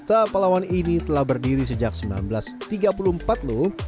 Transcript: ta palawan ini telah berdiri sejak seribu sembilan ratus tiga puluh empat lho